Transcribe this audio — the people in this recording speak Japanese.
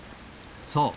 そう。